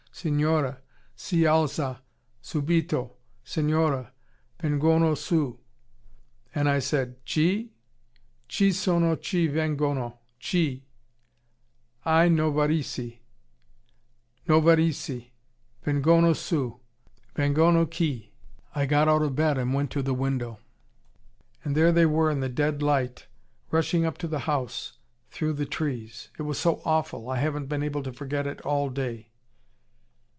Signora! Si alza! Subito! Signora! Vengono su!' and I said, 'Chi? Chi sono chi vengono? Chi?' 'I Novaresi! I Novaresi vengono su. Vengono qui!' I got out of bed and went to the window. And there they were, in the dead light, rushing up to the house, through the trees. It was so awful, I haven't been able to forget it all day."